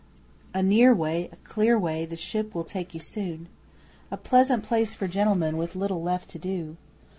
A near way a clear way the ship will take you soon. A pleasant place for gentlemen with little left to do.